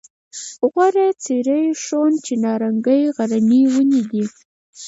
غوړه څېرۍ ښوون چناررنګی غرني ونې دي.